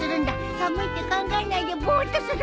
寒いって考えないでぼーっとするんだ。